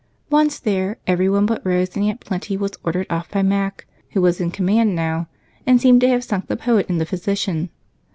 Once there, everyone but Rose and Aunt Plenty was ordered off by Mac, who was in command now and seemed to have sunk the poet in the physician.